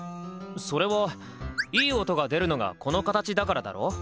それはいい音が出るのがこの形だからだろ？